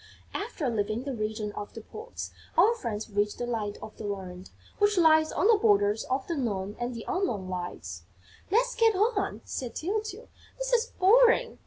After leaving the region of the Poets, our friends reached the Light of the Learned, which lies on the borders of the known and the unknown lights: "Let's get on," said Tyltyl. "This is boring."